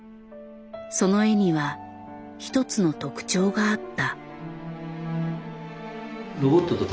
その絵にはひとつの特徴があった。